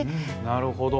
なるほど。